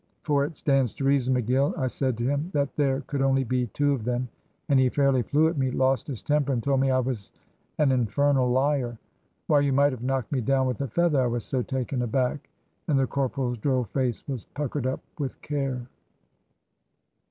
'For it stands to reason, McGill,' I said to him, 'that there could only be two of them;' and he fairly flew at me, lost his temper, and told me I was an infernal liar. Why, you might have knocked me down with a feather, I was so taken aback;" and the corporal's droll face was puckered up with care.